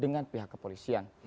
dengan pihak kepolisian